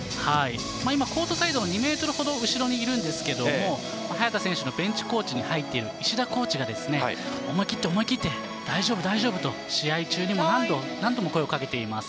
今、コートサイド２メートルほど後ろにいるんですけど早田選手のベンチコーチで石田コーチが思い切って、思い切って大丈夫と試合中にも何度も声をかけています。